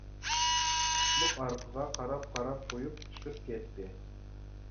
قۇتلۇق ئارقىغا قاراپ قاراپ قويۇپ چىقىپ كەتتى.